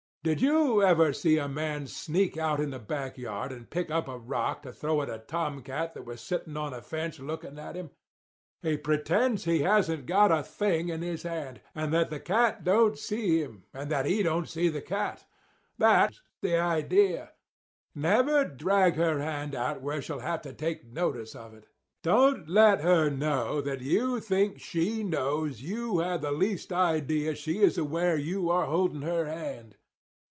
Did you ever see a man sneak out in the back yard and pick up a rock to throw at a tomcat that was sitting on a fence looking at him? He pretends he hasn't got a thing in his hand, and that the cat don't see him, and that he don't see the cat. That's the idea. Never drag her hand out where she'll have to take notice of it. Don't let her know that you think she knows you have the least idea she is aware you are holding her hand.